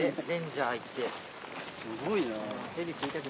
すごいな。